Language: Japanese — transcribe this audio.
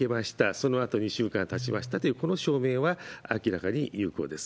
そのあと２週間たちましたという、この証明は明らかに有効です。